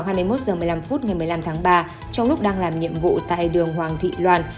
vào hai mươi một h một mươi năm phút ngày một mươi năm tháng ba trong lúc đang làm nhiệm vụ tại đường hoàng thị loan